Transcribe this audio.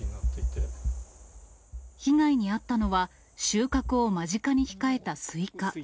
被害に遭ったのは、収穫を間近に控えたスイカ。